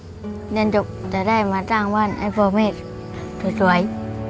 เรียนจบจะได้มาสร้างบ้านแอลเฟอร์เมศสวย